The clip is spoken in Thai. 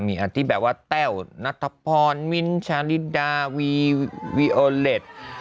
มีอันที่แบบว่าแต้วนัทพรมิ้นชาลิดาวีวีโอเล็ต